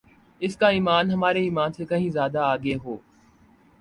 اس کا ایمان ہمارے ایمان سے کہین زیادہ آگے ہو